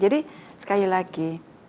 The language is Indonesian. jadi sekali lagi